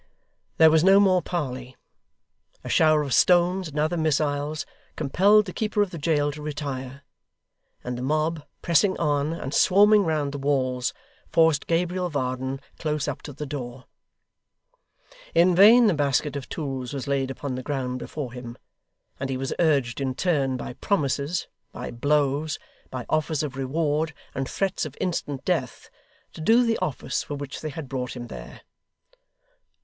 There was no more parley. A shower of stones and other missiles compelled the keeper of the jail to retire; and the mob, pressing on, and swarming round the walls, forced Gabriel Varden close up to the door. In vain the basket of tools was laid upon the ground before him, and he was urged in turn by promises, by blows, by offers of reward, and threats of instant death, to do the office for which they had brought him there.